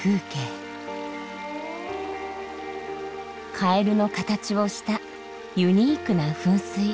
カエルの形をしたユニークな噴水。